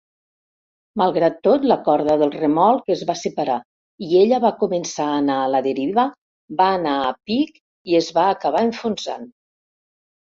Malgrat tot, la corda del remolc es va separar i ella va començar a anar a la deriva, va anar a pic i es va acabar enfonsant.